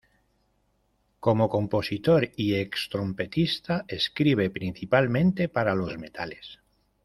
Como compositor y ex trompetista, escribe principalmente para los metales.